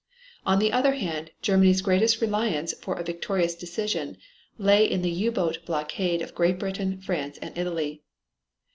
On the other hand, Germany's greatest reliance for a victorious decision lay in the U boat blockade of Great Britain, France and Italy.